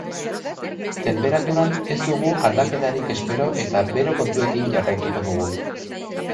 Tenperaturan ez dugu aldaketarik espero eta bero kontuekin jarraituko dugu.